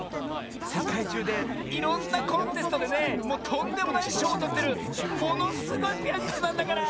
せかいじゅうでいろんなコンテストでねもうとんでもないしょうをとってるものすごいピアニストなんだから！